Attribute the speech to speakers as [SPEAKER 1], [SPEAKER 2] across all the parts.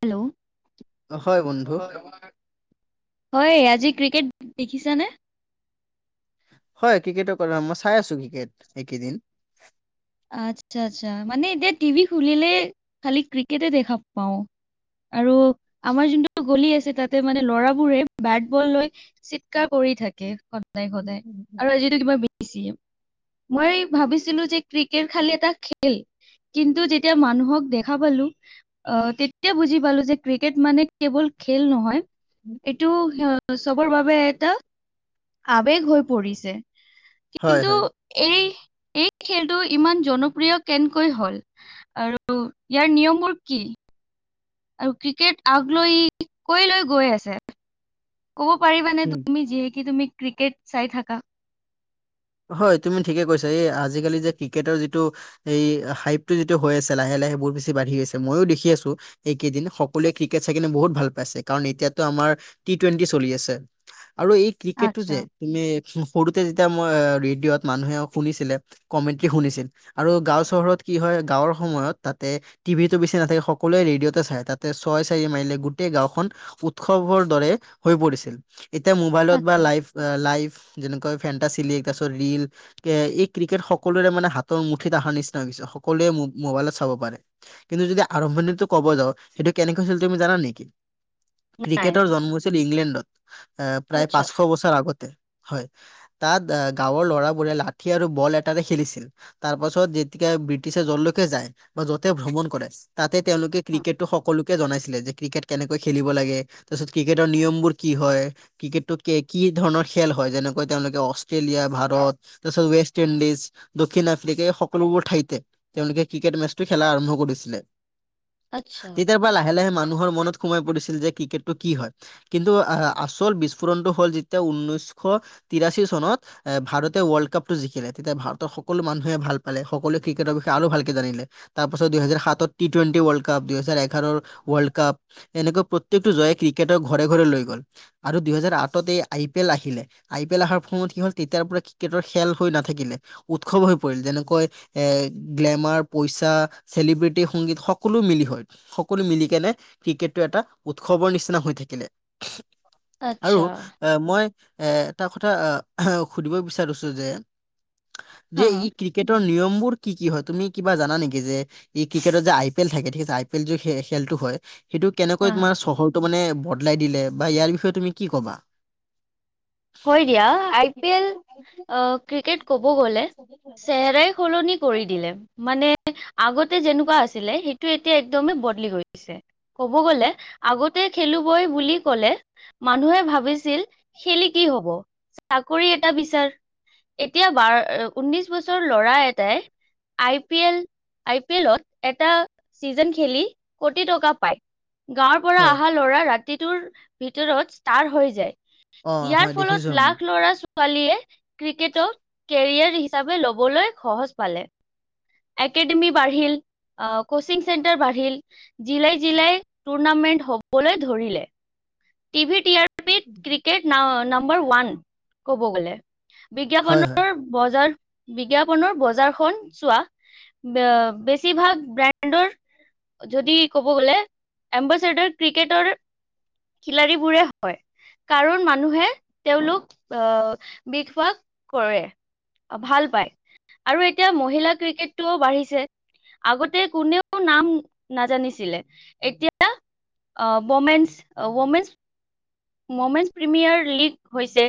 [SPEAKER 1] Hello,
[SPEAKER 2] হয় বন্ধু
[SPEAKER 1] হয়। আজি ক্ৰিকেট দেখিছানে?
[SPEAKER 2] হয়। ক্ৰিকেটৰ কথা মই চাই আছো, ক্ৰিকেট এইকেইদিন
[SPEAKER 1] আচ্ছা', আচ্ছা, মানে এতিয়া টিভি খুলিলে খালি ক্ৰিকেট দেখা পাও। আৰু আমাৰ যোনটো গলি আছে। তাতে মানে ল'ৰাবোৰে বেট বল লৈ চিৎকাৰ কৰি থাকে। সদায় সদায় আৰু আজো কিবা বেছিয়ে মই ভাবিছিলো যে, ক্ৰিকেট খালি এটা খেল কিন্তু যেতিয়া মানুহক দেখা পালো। অ', তেতিয়া বুজি পালো যে ক্ৰিকেট মানে কেৱল খেল নহয়। এইটো চবৰ বাবে এটা আবেগ হৈ পৰিছে।
[SPEAKER 2] হয়
[SPEAKER 1] কিন্তু,
[SPEAKER 2] হয়
[SPEAKER 1] এই এই খেলটো ইমান জনপ্ৰিয় কেনেকৈ হল আৰু ইয়াৰ নিয়ম বোৰ কি? আৰু ক্ৰিকেট আগ লৈ কৈ লৈ গৈ আছে। ক'ব পাৰিবানে
[SPEAKER 2] উম,
[SPEAKER 1] তুমি? যিহেকু তুমি ক্ৰিকেট চাই থাকা।
[SPEAKER 2] হয়। তুমি ঠিকে কৈছা। এই আজিকালি যে ক্ৰিকেটৰ যিটো এই হাইপ টো যিটো হৈ আছে। লাহে লাহে বহু বেছি বাঢ়ি আছে। মইও দেখি আছো। এইকেইদিন সকলোৱে ক্ৰিকেট চাই কিনে বহুত ভাল পাইছে। কাৰণ এতিয়াাতো আমাৰ টি টুৱেণ্টি চলি আছে। আৰু এই ক্ৰিকেটটো
[SPEAKER 1] আচ্ছা,
[SPEAKER 2] যে তুমি সৰুতে যেতিয়া মই ৰেডিঅ'ত মানুহে শুনিছিলে। কমেণ্টি শুনিছিল আৰু গাঁও চহৰত কি হয়? গাঁৱৰ সময়ত তাতে টিভিতটো বেছি নাথাকে। ৰেডিঅ'তে তাতে ছয় চাৰি মাইিল গোটেই গাঁওখন উৎসৱৰ দৰে হৈ পৰিছিল। এতিয়া মোবাইলত বা
[SPEAKER 1] আচ্ছা।
[SPEAKER 2] লাইভ লাইভ যেনেকৈ ফেনটা চ তাৰপিছত ৰিল এ', এই ক্ৰিকেট সকলোৰে মানে হাতৰ মুঠিত অহাৰ নিচিনা হৈছে। সকলোৱে মোবাইলত চাব পাৰে। কিন্তু যদি আৰম্ভণিতো কব যাও সেইটো কেনেকৈ হৈছিল তুমি জানা নেকি?
[SPEAKER 1] নাই,
[SPEAKER 2] ক্ৰিকেটৰ
[SPEAKER 1] নাই।
[SPEAKER 2] জন্ম হৈছিল ইংলেণ্ডত। এ', প্ৰায়
[SPEAKER 1] আচ্ছা,
[SPEAKER 2] পাঁচশ বছৰ আগতে হয়। তাত গাঁৱৰ ল'ৰাবোৰে লাঠি আৰু বল এটাতে খেলিছিল। তাৰ পাছত যেতিয়া ব্ৰিটিছৰ যললৈকে যায় বা য'তে ভ্ৰমণ কৰে তাতে তেওঁলোকে ক্ৰিকেটটো সকলো জনাইছিলে যে ক্ৰিকেট কেনেকৈ খেলিব লাগে। তাৰপিছত ক্ৰিকেটৰ নিয়মবোৰ কি হয়। ক্ৰিকেটটো কি ধৰণৰ খেল হয়। যেনেকৈ তেওঁলোকে অছ অষ্ট্ৰেলিয়া ভাৰত তছ ৱেষ্ট ইণ্ডিজ দক্ষিণ আফ্ৰিকা এই সকলোবোৰ ঠাইতে তেওঁলোকে ক্ৰিকেট মেচটো খেলা আৰম্ভ কৰিছিলে
[SPEAKER 1] আচ্ছা।
[SPEAKER 2] তেতিয়াৰ লাহে, লাহে মানুহৰ মনত সোমাই পৰিছিল যে, ক্ৰিকেট টো কি হয়? কিন্তু আচল বিস্ফোৰণটো হ'ল যেতিয়া ঊনৈছশ তিৰাশী চনত য়ে' ভাৰতে ৱৰ্ল্ড কাপটো জিকিলে, তেতিয়া ভাৰতৰ সকলো মানুহে ভাল পালে, সকলোৱে ক্ৰিকেটৰ বিষয়ে আৰু ভালকৈ জানিলে তাৰ পাছত দুহেজাৰ সাতত টি টুৱেন্টি ৱৰ্ল্ড কাপ, দুহেজাৰ এঘাৰৰ ৱৰ্ল্ড কাপ এনেকৈ প্ৰত্যেকটো জয়ে ক্ৰিকেটৰ ঘৰে ঘৰে লৈ গ'ল। আৰু দুহেজাৰ আঠত এই আই পি এল আহিলে আই পি এল আহাৰ ফৰ্মত সিহঁত তেতিয়াৰ পৰা ক্ৰিকেটৰ খেল হৈ নাথাকিলে, উৎসৱ হৈ পৰিল যেনেকৈ এ গ্লেমাৰ পইচা চেলিব্ৰিটি সংগীত সকলো মিলি হয়। সকলো মিলি কেনে ক্ৰিকেটটো এটা উৎসৱৰ নিচিনা হৈ থাকিলে। আৰু
[SPEAKER 1] আচ্ছা।
[SPEAKER 2] এ মই এটা কথা আহ আহ সুধিব বিচাৰিছোঁ যে,
[SPEAKER 1] হা,
[SPEAKER 2] যে
[SPEAKER 1] হা,
[SPEAKER 2] ই খি টিকেটৰ নিয়মবোৰ কি, কি হয় তুমি কিবা জানা নেকি যে এই ক্ৰিকেটত যে আই পি এল থাকে, ঠিক আছে, আই পি এল য খেলটো হয়, সেইটো
[SPEAKER 1] হা,
[SPEAKER 2] কেনেকৈ
[SPEAKER 1] হা।
[SPEAKER 2] তোমাৰ চহৰটো মানে বদলাই দিলে, বা ইয়াৰ বিষয়ে তুমি কি ক'বা?
[SPEAKER 1] হয় দিয়া, আই পি এল অ' ক্ৰিকেট ক'ব গ'লে চেহেৰাই সলনি কৰি দিলে। মানে আগতে যেনেকুৱা আছিলে, সেইটো এতিয়া একদমেই বদলি কৰি দিছে। কব গ'লে আগতে খেলোঁগৈ বুলি কলে, মানুহে ভাবিছিল খেলি কি হব চাকৰি এটা বিচাৰ এতিয়া বাৰ, ঊনৈশ বছৰ ল'ৰা এটাই I P L I P এলত এটা চিজন খেলি কোটি টকা পায়। গাঁৱৰ পৰা
[SPEAKER 2] হয়
[SPEAKER 1] অহা ল'ৰা, ৰাতিটোৰ ভিতৰত ষ্টাৰ হৈ যায়।
[SPEAKER 2] অ
[SPEAKER 1] ইয়াৰ
[SPEAKER 2] হয় দেখিছো
[SPEAKER 1] ফলত
[SPEAKER 2] আমি
[SPEAKER 1] লাখ ল'ৰা-ছোৱা ছোৱালীয়ে ক্ৰিকেটক কেৰিয়া হিচাপে ল'বলে সহজ পালে। একেডেমি বাঢ়িল, অ' কোচিং চেণ্টাৰ বাঢ়িল। জিলাই জিলাই টুৰ্ণামেন্ট হবলৈ ধৰিলে। টিভিট ইয়াৰ পিট ক্ৰিকেট না-নাম্বৰ ওয়ান কব গ'লে।
[SPEAKER 2] হয় হয়
[SPEAKER 1] বিজ্ঞাপনৰ বজাৰ, বিজ্ঞাপনৰ বজাৰখন চোৱা বে-বেছিভাগ ব্ৰেণ্ডৰ যদি ক'ব গ'লে এম্বাচডাৰ ক্ৰিকেটৰ খিলাৰী বোৰে হয়। কাৰণ মানুহে তেওঁলোক আ' বিষবাস কৰে। ভাল পাই, আৰু এতিয়া মহিলা ক্ৰিকেটটোও বাঢ়িছে। আগতে কোনেও নাম নাজানিছিলে এতিয়া অ' ৱমেঞ্চ, ৱমেঞ্চ মমেঞ্চ প্ৰিমিয়াৰ লীগ হৈছে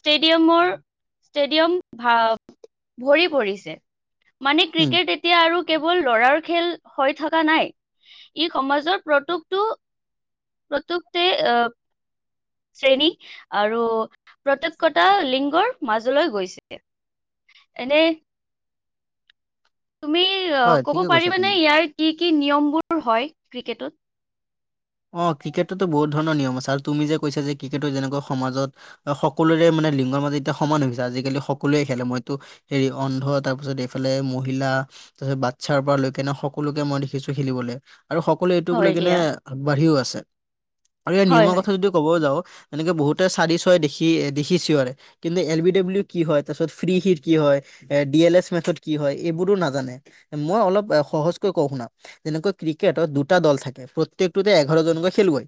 [SPEAKER 1] ষ্টেডিয়ামৰ ষ্টেডিয়াম ভা' ভৰি পৰিছে মানে
[SPEAKER 2] উম
[SPEAKER 1] ক্ৰিকেট এতি এতিয়া আৰু কেৱল ল'ৰাৰ খেল হৈ থকা নাই। ই সমাজৰ প্ৰতুকটো প্ৰতুকতে আ' শ্ৰেণী আৰু প্ৰটোকৰ্তা লিংগৰ মাজলৈ গৈছে। এনেই তুমি অ'
[SPEAKER 2] হয়
[SPEAKER 1] ক'ব
[SPEAKER 2] ঠিকে কৈছা তুমি
[SPEAKER 1] পাৰিবানে, ইয়াৰ কি, কি নিয়ম বোৰ হয় ক্ৰিকেটত
[SPEAKER 2] অ' ক্ৰিকেটটো বহুত ধৰণৰ নিয়ম আছে, আৰু তুমি যে কৈছা যে ক্ৰিকেটটো যেনেকৈ সমাজত সকলোৰে মানে লিংগ মাজত এতিয়া সমান হৈছে আজিকালি সকলোৱে খেলে মইতো হেৰি অন্ধ তাৰপিছত এইফালে মহিলা তাৰ পিছত বাচ্ছাৰ পৰা লৈকে নে সকলোকে মই দেখিছো খেলিবলৈ। আৰু সকলোৱে এইটোক লৈ
[SPEAKER 1] হয়
[SPEAKER 2] কিনে
[SPEAKER 1] দিয়া।
[SPEAKER 2] আগবাঢ়িও আছে আৰু ইয়াৰ
[SPEAKER 1] হয়
[SPEAKER 2] নিয়মৰ
[SPEAKER 1] হয়।
[SPEAKER 2] কথা যদি ক'ব যাওঁ এনেকে বহুতে চাৰি চই দেখি দেখিছেও বাৰে। কিন্তু এল বি ডাব্লিউ কি হয় তাৰপছত ফ্ৰি হিৰ কি হয়। এ ডি এল এছ মেথড কি হয় এইবোটো নাজানে। মই অলপ সহজকৈ কওঁ শুনা যেনেকৈ ক্ৰিকেটত দুটা দল থাকে। প্ৰত্যেকটোতে এঘাৰজনকৈ খেলুৱায়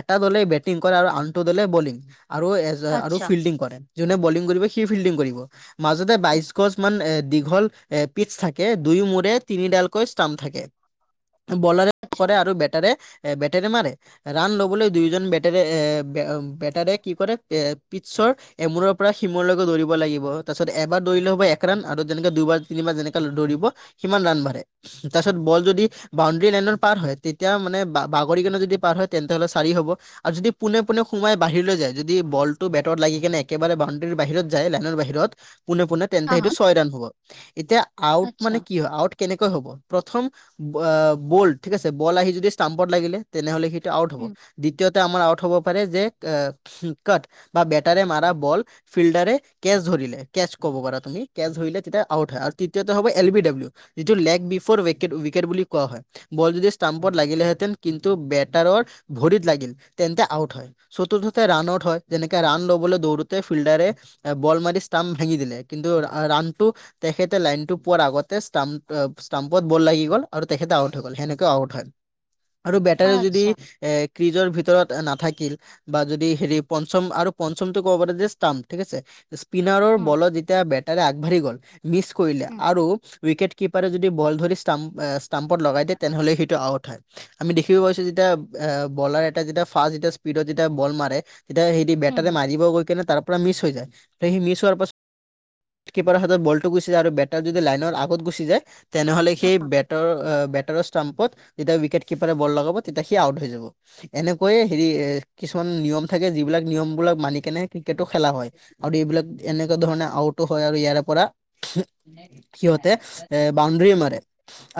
[SPEAKER 2] এটা দলে বেটিং কৰে আৰু আনটো দলে বলিং আৰু আৰু
[SPEAKER 1] আচ্ছা,
[SPEAKER 2] ফিল্ডিং কৰে জোনে বলদিং কৰিবৰ সি ফিল্ডিং কৰিব। মাজতে বাইশ গছ মান এ দীঘল এ পিটছ থাকে দুই মোৰে তিনিডালকৈ ষ্টাম্প থাকে। বলাৰে
[SPEAKER 1] আচ্ছা।
[SPEAKER 2] কৰে আৰু বে তাৰে এ বেটেৰে মাৰে। ৰাণ ল'বলৈ দুয়োজন বেটাৰে এ বেটাৰে কি কৰে পিটছৰ এমূৰ পৰা শিমূলৈকে দৌৰিব লাগিব তাৰপিছত এবাৰ দৌৰিলে হ'ব এক ৰাণ আৰু যেনেকে দুবাৰ তিনিবাৰ যেনেককা দৌৰিব। সিমান ৰাণ বাঢ়াৰে তাৰ পিছত বল যদি বাউণ্ডৰী লাইনত পাৰ হয়, তেতিয়া মানে বা-বাগৰিকণা যদি পাৰ হয় তেন্তে হ'লে চাৰি হ'ব। আৰু যদি পোনে পোনে সোমাই বাহিৰলৈ যায় যদি বলটো বেটত লাগি কেনে একেবাৰে বাউণ্ডৰ বাহিৰত যায় লাইনৰ বাহিৰত পোনে পোনে তেন্তে
[SPEAKER 1] হা
[SPEAKER 2] সেইটো
[SPEAKER 1] হা।
[SPEAKER 2] ছয় ৰাণ হ'ব, এতিয়া আউট
[SPEAKER 1] আচ্ছা।
[SPEAKER 2] মানে কি হয় আউট কেনেকৈ হ'ব প্ৰথম বল ঠিক আছে বল আহি যদি ষ্টাম্পত লাগিলে তেনেহ'লে সেই টো আউট হ'ব
[SPEAKER 1] অ'
[SPEAKER 2] দ্বিতীয়তে আমাৰ আউট হ'ব পাৰে যে কাট বা বেটাৰে মাৰা বল ফিল্ডৰে কেচ ধৰিলে কেছ ক'ব পা তুম কেচ ধৰিলে তেতিয়া আউট হয় আৰু তৃতীয়তে হ'ব এল বি ডাব্লিউ। যিটো লেগ বিফ'ৰ উ উইকেট বুলি কোৱা হয় বল যদি ষ্টাম্পত লাগিলেহে তেন কিন্তু বেটাৰৰ ভৰিত লাগিল তেন্তে আউট হয়। চতুৰ্থতে ৰান আউট হয়, যেনেকে ৰান ল'বলৈ দৌৰোতে ফিল্ডাৰে আ, বল মাৰি ষ্টাম্প ভেঙি দিলে কিন্তু ৰাানটো তেখেতে লাইন টো পোৱাৰ আগতে ষ্ট্প ষ্টাম্পত বল লাগি গ'ল আৰু তেখেতে আউট হৈ গ'ল সেনেকুৱে আউট হয়। আৰু বেটাৰে যদি
[SPEAKER 1] আচ্ছা।
[SPEAKER 2] এ ক্ৰিজৰ ভিতৰত নাথাকিল। বা যদি হেৰি পঞ্চম আৰু পঞ্চমটো ক'ব পাৰে যে ষ্টাম ঠিক আছে। স্পিনাৰৰ
[SPEAKER 1] উম,
[SPEAKER 2] বলত যেতিয়া বেটাৰে আগবাঢ়ি গ'ল মিচ কৰিলে
[SPEAKER 1] উম,
[SPEAKER 2] আৰু উইকেট কিপাৰে যদি বল ধৰি ষ্টাম্প ষ্টাম্পত লগাই দিয়ে তেনেহ'লে সেইটো আউট হয়। আমি দেখিব পাইছো যেতিয়া বলাৰ এটা যেতিয়া ফাষ্ট যেতিয়া স্পীডত যেতিয়া বল মাৰে। তেতিয়া সেইদি
[SPEAKER 1] হুম,
[SPEAKER 2] বেটাৰে
[SPEAKER 1] হুম।
[SPEAKER 2] মাৰিব গৈ কিনে তাৰ পৰা মিছ হৈ যায়, সেই মিছ হোৱাৰ পাছত কিপাৰৰ হাতত বলটো গুচি যায় আৰু বেটাৰ যদি লাইনৰ আগত গুচি যায়। তেনেহ'লে সেই বেটাৰ বেটাৰৰ ষ্টাম্পত যেতিয়া উইকেট কিপাৰে বল লগাব তেতিয়া সি আউট হৈ যাব। এনেকৈয়ে হেৰি এ কিছুমান নিয়ম থাকে যিবিলাক নিয়মবিলাক মানি কেনে ক্ৰিকেটো খেলা হয়। এইবিলাক এনেকুৱা ধৰণে আউটো হয়, আৰু ইয়াৰে পৰা সিহঁতে এ বাউণ্ডৰী মাৰে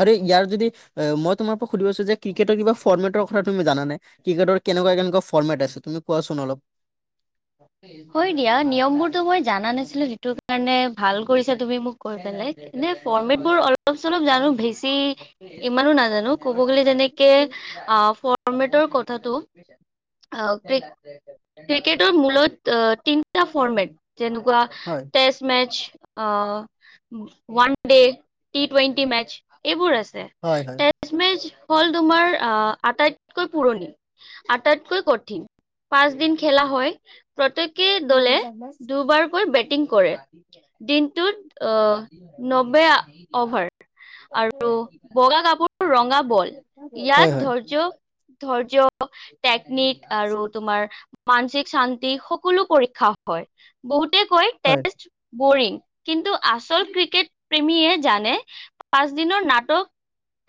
[SPEAKER 2] আৰু ইয়াৰ যদি এ মই তোমাৰ পৰা সুধিব ক্ৰিকেট কিবা ফৰ্মেৰ কথা তুমি জানা নে, ক্ৰিকেৰ কেকুৱা কেনেকুৱা ফৰ্মমে আছে তুমি কোৱাচোন অলপ?
[SPEAKER 1] [unintelligible] হয়, দিয়া নিয়ম বোৰতো মই জানা নাছিলো যিটো কাৰণে ভাল কৰিছা তুমি মোক কৈ পেলাই। এনে ফৰ্মেট বোৰ অলপ চলপ জানো বেছি ইমানো নাজানো। ক'ব গ'লে তেনেকে অ' ফৰ্মেটৰ কথাটো অ' ক্ৰি ক্ৰিকেট ৰ মূলত তিনিটা ফৰ্মেট। যেনেকুৱা
[SPEAKER 2] হয়।
[SPEAKER 1] টেষ্ট মেচ অ' one day, T twenty match এইবোৰ আছে।
[SPEAKER 2] হয়, হয়।
[SPEAKER 1] টেষ্ট মেচ হ'ল তোমাৰ আহ আটাইতকৈ পুৰণি। আটাইতকৈ কঠিন, পাঁচ দিন খেলা হয়। প্ৰত্যেকে দলে দুবাৰকৈ বেটিং কৰে। দিনটোত অ নব্বৈ অভাৰ। আৰু বগা কাপোৰ ৰঙা বল।
[SPEAKER 2] হয়
[SPEAKER 1] ইয়াত
[SPEAKER 2] হয়
[SPEAKER 1] ধৈৰ্য্য টেকনিক আৰু তোমাৰ মানসিক শান্তি সকলো পৰীক্ষা হয়। বহুতে কয়
[SPEAKER 2] হয়
[SPEAKER 1] টেষ্ট বৰিং। কিন্তু আচল ক্ৰিকেট প্ৰেমীয়ে জানে পাঁচ দিনৰ নাটক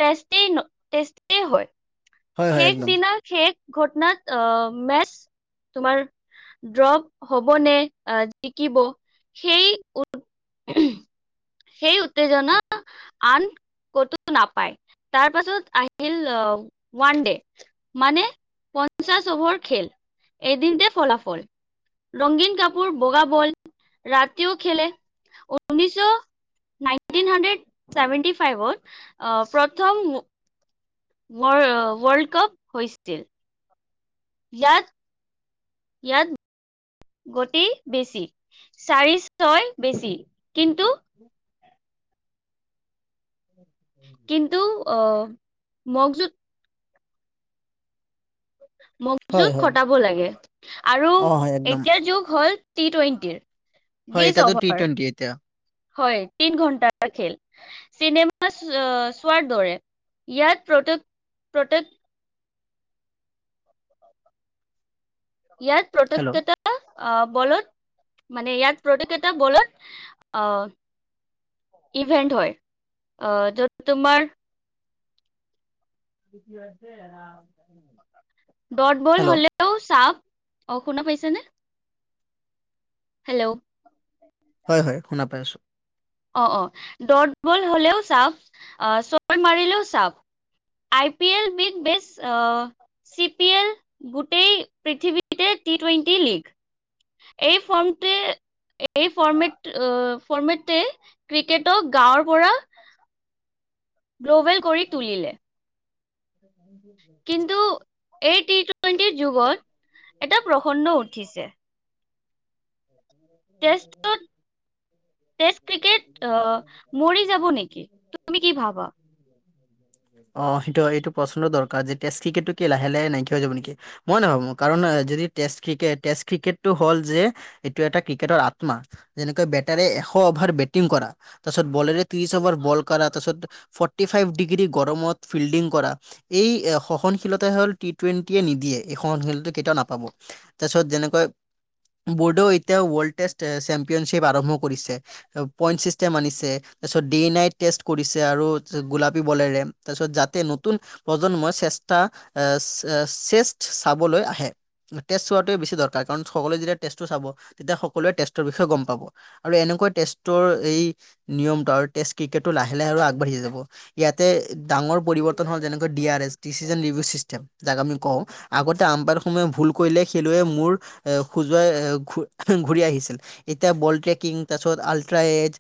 [SPEAKER 1] টেষ্টে টেষ্টে হয়।
[SPEAKER 2] হয় হয়
[SPEAKER 1] শেষ
[SPEAKER 2] একদম
[SPEAKER 1] দিনা, শেষ ঘটনাত অ', মেচ তোমাৰ দ্ৰ হ'বনে, আহ, জিকিব, সেই উম সেই উত্তেজনা আন ক'তো নাপায়, তাৰ পাছত আহিল আহ ওৱানডে, মানে পঞ্চাশ অভাৰ খেল, এদিনতে ফলাফল। ৰংগীন কাপোৰ বগা বল, ৰাতিও খেলে। উনৈছশ নাইনটিন হাণ্ড্ৰেড চেভেনটি ফাইভত অ' প্ৰথম ৱৰ্ল্ড কাপ হৈছিল। ইয়াত ইয়াত গতি বেছি, চাৰি, ছয় বেছি, কিন্তু
[SPEAKER 2] [inaudible] [inaudible]
[SPEAKER 1] কিন্তু মগজুত
[SPEAKER 2] হয়
[SPEAKER 1] মগজুত
[SPEAKER 2] হয়
[SPEAKER 1] খটাব লাগে, আৰু
[SPEAKER 2] অ হয় একদম
[SPEAKER 1] এতিয়াৰ যুগ হ'ল। টি টুৱেণ্টিৰ,
[SPEAKER 2] হয়
[SPEAKER 1] বিশ
[SPEAKER 2] এতিয়াতো টি
[SPEAKER 1] অভাৰ।
[SPEAKER 2] টুৱেণ্টি এতিয়া
[SPEAKER 1] হয়, তিন ঘণ্টাৰ খেল। চিনেমা চোৱাৰ দৰে, ইয়াত প্ৰত, প্ৰত ইয়াত
[SPEAKER 2] হেল্ল'
[SPEAKER 1] প্ৰতক্ষতা আহ বলত, মানে ইয়াত প্ৰতেক এটা বলত, আহ ইভেন্ট হয়, আহ য'ত তোমাৰ
[SPEAKER 2] [unintelligible]
[SPEAKER 1] ডত বল
[SPEAKER 2] হেল্ল'
[SPEAKER 1] হলেও চাব, অ', শুনা পাইছেনে? হেল্ল'?
[SPEAKER 2] হয়, হয়, শুনা পাই আছো।
[SPEAKER 1] অ', অ', ডট বল হলেও চাব, আহ ছয় মাৰিলেও চাব। আই পি এল বিধ বেছ অ' চি পি এল, গোটেই পৃথিৱীতে টি টুৱেণ্টি লীগ। এই ফৰ্মটিৰ এই ফৰ্মেট, ফৰ্মেটে ক্ৰিকেটক গাঁৱৰ পৰা গ্ল'ভেল কৰি তুলিলে।
[SPEAKER 2] [unintelligible]
[SPEAKER 1] কিন্তু এই টি টুৱেণ্টিৰ যুগত এটা প্ৰসন্ন উঠিছে। টেষ্টত টেষ্ট ক্ৰিকেট আহ' মৰি যাব নেকি, তুমি কি ভাবা? [unintelligible]
[SPEAKER 2] অঁ' সেইটো হয়, সেইটো প্ৰশ্ন দৰকাৰ যে টেষ্ট ক্ৰিকেটটো কি লাহে লাহে নাইকিয়া হৈ যাব নেকি। মই নাভাবোঁ কাৰণ যদি টেষ্ট ক্ৰিকেট, টেষ্ট ক্ৰিকেটটো হ'ল যে এইটো এটা ক্ৰিকেটৰ আত্মা, যেনেকৈ বেটাৰে এশ অভাৰ বেটিং কৰা তাৰপিছত বলেৰে ত্ৰিছ অভাৰ বল কৰা, তাৰপিছত ফৰ্টি ফাইভ ডিগ্ৰী গৰমত ফিল্ডিং কৰা। এই সহনশীলতাই হ'ল টি টুৱেণ্টিয়ে নিদিয়ে, এই সহনশীলতা কেতিয়াও নাপাব। তাৰপিছত যেনেকৈ বৰ্ডেও এতিয়া ৱৰ্ল্ড টেষ্ট চেম্পিয়নশ্বিপ আৰম্ভ কৰিছে। পইণ্ট ছিষ্টেম আনিছে, তাৰপিছত ডেই নাইট টেষ্ট কৰিছে আৰু গোলাপী বলেৰে। তাৰপিছত যাতে নতুন প্ৰজন্মই চেষ্টা আহ' চেষ্ট চাবলৈ আহে। টেষ্ট চোৱাটোৱে বেছি দৰকাৰ কাৰণ সকলোৱে যেতিয়া টেষ্টটো চাব তেতিয়া সকলোৱে টেষ্টৰ বিষয়ে গম পাব। আৰু এনেকুৱা টেষ্টৰ এই নিয়মটো আৰু টেষ্ট ক্ৰিকেটটো লাহে লাহে আৰু আগবাঢ়ি যাব। ইয়াতে ডাঙৰ পৰিৱৰ্তন হ'ল যেনেকৈ D R S, decision review system. যাক আমি কওঁ, আগতে আম্পায়াৰ সমূহে ভুল কৰিলে খেলুৱৈ মোৰ এ, খোজুৱাই এ, ঘূৰি আহিছিল, এতিয়া বল ট্ৰেকিং তাৰপিছত আলট্ৰা এজ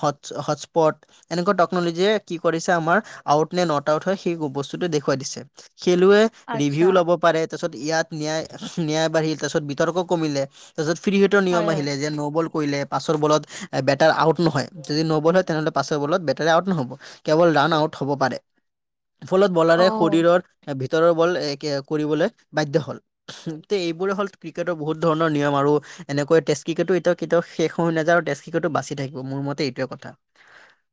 [SPEAKER 2] হটছ্ হটস্পট এনেকুৱা টেকন'লজীয়ে কি কৰিছে আমাৰ আউট নে নট আউট হয় সেই বস্তু- দেখুৱাই দিছে, খেলুৱৈৰ ৰিভিউ ল'ব পাৰে- তাৰপিছত ইয়াত ন্যায়, ন্যায় বাঢ়িল তাৰ পিছত বিতৰ্ক কমিলে। তাৰিছত ফ্ৰী হীটৰ নিয়ম
[SPEAKER 1] হয়
[SPEAKER 2] আহিলে যে ন বল- কৰিলে, পাছৰ বলত বেটাৰ আউট নহয়, যদি ন বল হয় তেনে হ'লে পাছৰ বলত বেটাৰ আউট নহ'ব। কেৱল ৰাণ আউট হ'ব পাৰে। ফলত
[SPEAKER 1] অ
[SPEAKER 2] বলাৰে শৰীৰত- ভিতৰৰ বল এ কে কৰিবলৈ বাধ্য হ'ল, ত' এইবোৰে হ'ল ক্ৰিকেটৰ বহুত ধৰণৰ- নিয়ম আৰু এনেকৈ টেষ্ট ক্ৰিকেটো এতিয়া কেতিয়াও শেষ হৈ নাযায় আৰু টেষ্ট ক্ৰিকেটো বাচি থাকিব, মোৰ মতে এইটোৱে কথা।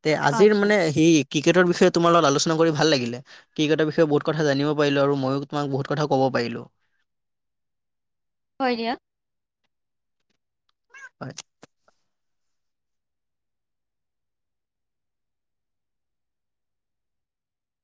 [SPEAKER 2] তে আজিৰ
[SPEAKER 1] আচ্ছা
[SPEAKER 2] মানে সি ক্ৰিকেটৰ বিষয়ে তোমাৰ লগত আলোচনা কৰি ভাল লাগিলে। ক্ৰিকটাৰ বিষয়ে বহুত কথা জানিব পাৰিলোঁ আৰু মইয়ো তোমাক বহুত কথা ক'ব পাৰিলোঁ।
[SPEAKER 1] হয় দিয়া।
[SPEAKER 2] হয়।